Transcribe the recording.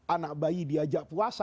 anak bayi diajak puasa